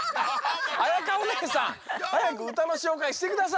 あやかおねえさんはやくうたのしょうかいしてください。